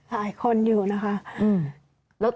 หลายคนอยู่นะคะ